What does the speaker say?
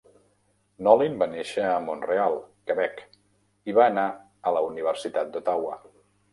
Nolin va néixer a Mont-real, Quebec, i va anar a la Universitat d'Ottawa.